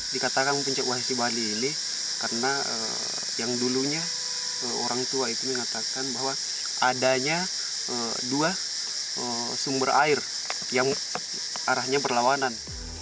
dikatakan puncak wasi bali ini karena yang dulunya orang tua itu mengatakan bahwa adanya dua sumber air yang arahnya perlawanan